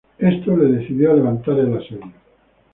Esto le decidió a levantar el asedio.